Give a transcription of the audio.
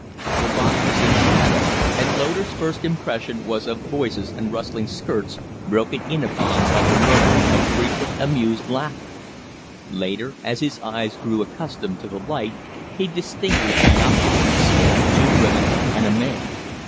The box was in shadow, and Loder's first impression was of voices and rustling skirts, broken in upon by the murmur of frequent, amused laughter; later, as his eyes grew accustomed to the light, he distinguished the occupants two women and a man.